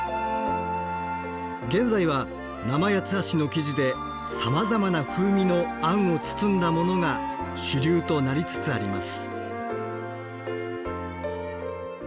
現在は生八ツ橋の生地でさまざまな風味のあんを包んだモノが主流となりつつあります。